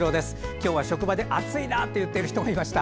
今日は職場で暑いなと言っている人がいました。